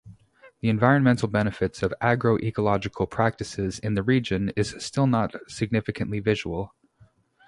The environmental benefits of agroecological practices in the region is still not significantly visual.